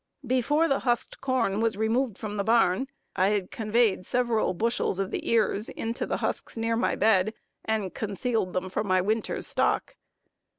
Before the husked corn was removed from the barn, I had conveyed several bushels of the ears into the husks, near my bed, and concealed them for my winter's stock.